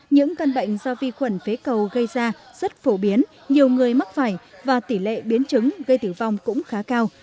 những căn bệnh do vi khuẩn phế cầu gây ra rất phổ biến nhiều người mắc vải và tỷ lệ biến chứng gây tử vong cũng khá cao